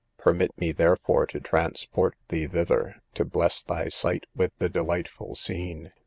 Permit me, therefore, to transport thee thither, to bless thy sight with the delightful scene.